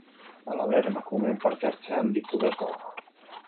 Halaber, emakumeen parte hartzea handitu beharko da.